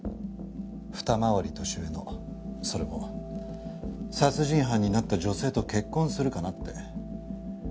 二回り年上のそれも殺人犯になった女性と結婚するかなって。